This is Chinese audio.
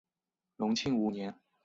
隆庆五年。